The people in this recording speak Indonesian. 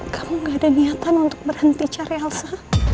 kamu gak ada niatan untuk berhenti cari alsa